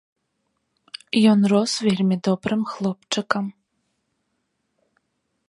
Ён рос вельмі добрым хлопчыкам.